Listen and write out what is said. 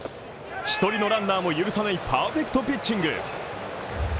１人のランナーも許さないパーフェクトピッチング。